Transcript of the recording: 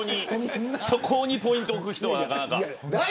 そこにポイントを置く人は、なかなか。